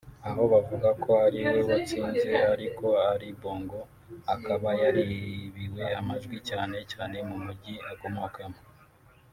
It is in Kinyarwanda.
aho bavugaga ko ari we watsinze ariko Ali Bongo akaba yaribiwe amajwi cyane cyane mu Mujyi akomokamo